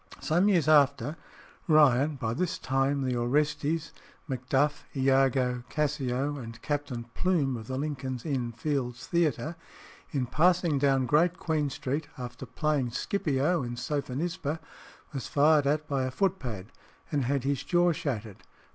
Some years after, Ryan, by this time the Orestes, Macduff, Iago, Cassio, and Captain Plume of the Lincoln's Inn Fields Theatre, in passing down Great Queen Street, after playing Scipio in "Sophonisba," was fired at by a footpad, and had his jaw shattered.